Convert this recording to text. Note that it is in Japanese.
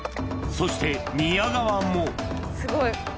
そして宮川もすごい。